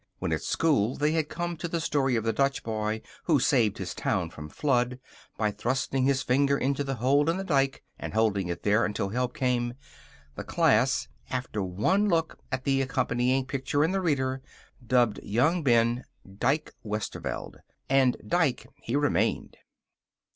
When, at school, they had come to the story of the Dutch boy who saved his town from flood by thrusting his finger into the hole in the dike and holding it there until help came, the class, after one look at the accompanying picture in the reader, dubbed young Ben "Dike" Westerveld. And Dike he remained.